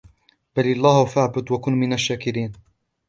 بَلِ اللَّهَ فَاعْبُدْ وَكُنْ مِنَ الشَّاكِرِينَ